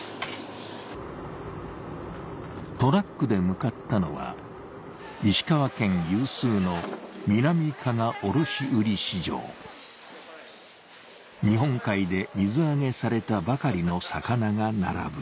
トラックで向かったのは石川県有数の日本海で水揚げされたばかりの魚が並ぶ２２？